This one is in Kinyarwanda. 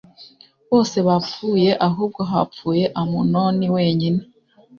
bose bapfuye ahubwo hapfuye amunoni wenyine